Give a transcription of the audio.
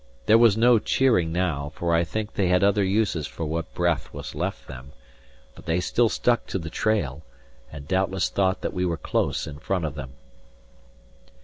There was no cheering now, for I think they had other uses for what breath was left them; but they still stuck to the trail, and doubtless thought that we were close in front of them.